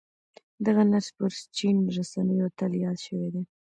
دغه نرس پر چين رسنيو اتل ياد شوی دی.